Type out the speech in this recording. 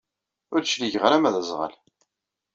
Ur d-cligeɣ ara ma d aẓɣal.